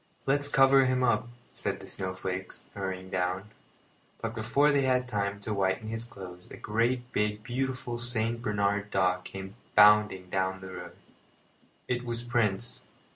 "Let's cover him up," said the snowflakes, hurrying down; but before they had time to whiten his clothes a great big beautiful Saint Bernard dog came bounding down the road. It was Prince.